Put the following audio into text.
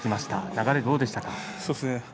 流れはどうでしたか。